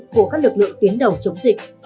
của các lực lượng tuyến đầu chống dịch